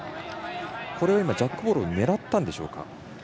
これは今、ジャックボールを狙ったんでしょうか？